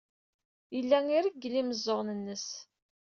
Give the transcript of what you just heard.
Yella ireggel imeẓẓuɣen-nnes.